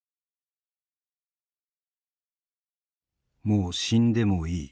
「もう死んでもいい」。